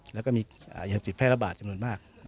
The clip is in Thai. แล้วก็มียานติดแพร่ระบาดจำนวนมาก